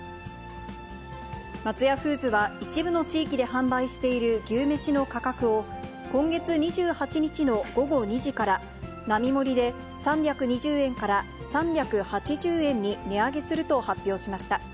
松屋フーズは、一部の地域で販売している牛めしの価格を、今月２８日の午後２時から、並盛りで３２０円から３８０円に値上げすると発表しました。